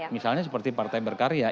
misalnya seperti partai berkarya